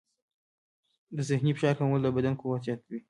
د ذهني فشار کمول د بدن قوت زیاتوي.